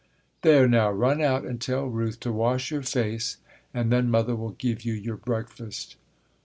"There now, run out and tell Ruth to wash your face and then mother will give you your breakfast."